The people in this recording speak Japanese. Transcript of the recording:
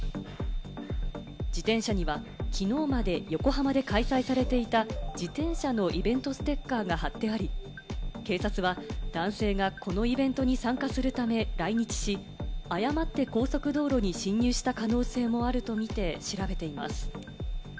自転車には、きのうまで横浜で開催されていた自転車のイベントステッカーが貼ってあり、警察は男性がこのイベントに参加するため来日し、誤って高速道路に進入した可能性もあるとみて調べています。